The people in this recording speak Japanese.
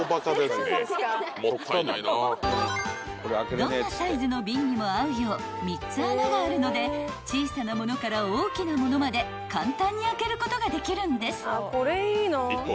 ［どんなサイズの瓶にも合うよう３つ穴があるので小さなものから大きなものまで簡単に開けることができるんです］